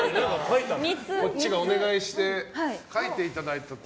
こっちがお願いして書いていただいたと。